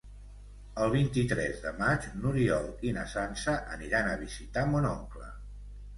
El vint-i-tres de maig n'Oriol i na Sança aniran a visitar mon oncle.